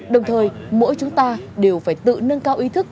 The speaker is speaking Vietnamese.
đồng thời mỗi chúng ta đều phải tự nâng cao ý thức